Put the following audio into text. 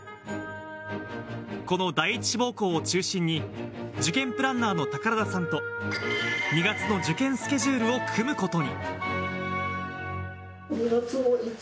この第１志望校を中心に、受験プランナーの宝田さんと２月の受験スケジュールを組むことに。